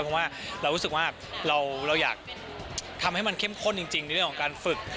เพราะว่าเรารู้สึกว่าเราอยากทำให้มันเข้มข้นจริงในเรื่องของการฝึก